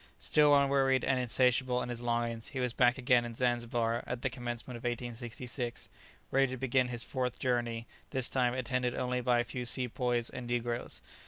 Still unwearied and insatiable in his longings, he was back again in Zanzibar at the commencement of 1866, ready to begin his fourth journey, this time attended only by a few sepoys and negroes.